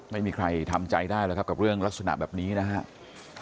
ไม่มีใครทำใจได้แล้วครับกับเรื่องลักษณะแบบนี้นะครับ